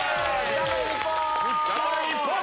頑張れ日本！